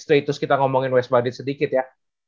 terus kita ngomongin west bandit sedikit ya